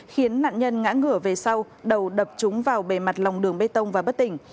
khiến nạn nhân ngã ngửa về sau đầu đập trúng vào bề mặt lòng đường bê tông và bất tỉnh